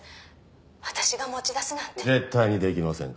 「私が持ち出すなんて」絶対にできませんか？